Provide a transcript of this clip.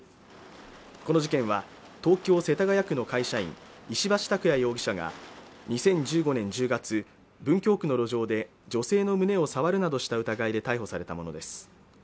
この事件は東京世田谷区の会社員石橋拓也容疑者が２０１５年１０月文京区の路上で女性の胸を触るなどした疑いで逮捕されたものです